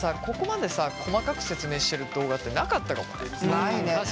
ここまでさ細かく説明してる動画ってなかったかもね。